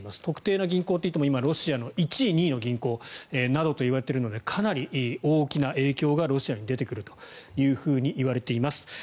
特定の銀行といっても今、ロシアの１位、２位の銀行などといわれているのでかなり大きな影響がロシアに出てくるといわれています。